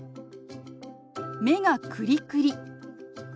「目がクリクリ」。